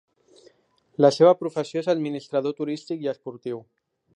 La seva professió és administrador turístic i esportiu.